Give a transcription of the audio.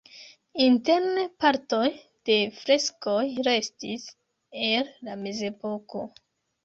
Interne partoj de freskoj restis el la mezepoko.